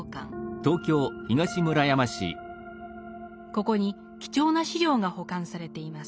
ここに貴重な資料が保管されています。